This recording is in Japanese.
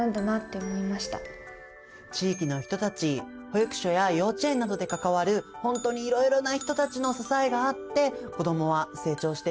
地域の人たち保育所や幼稚園などで関わるほんとにいろいろな人たちの支えがあって子どもは成長していくんですよね。